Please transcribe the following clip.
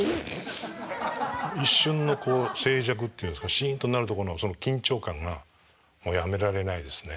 一瞬のこう静寂っていうんですかシンとなるとこの緊張感がもうやめられないですね。